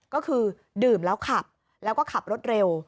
ก็คือดื่มแล้วขับแล้วก็ขับรถเร็ว